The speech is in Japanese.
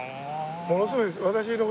ものすごい。